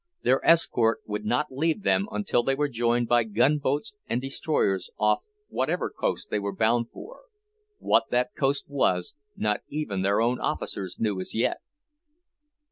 Their escort would not leave them until they were joined by gunboats and destroyers off whatever coast they were bound for, what that coast was, not even their own officers knew as yet.